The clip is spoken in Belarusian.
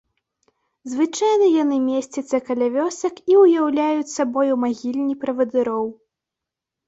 Звычайна яны месцяцца каля вёсак і ўяўляюць сабою магільні правадыроў.